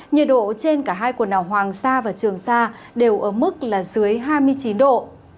nhiệt độ trên cả hai quần đảo hoàng sa và trường sa đều ở mức là dưới hai mươi chín độ